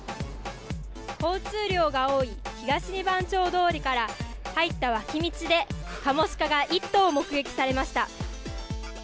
交通量が多い東二番丁通りから入った脇道でカモシカが１頭目撃されました。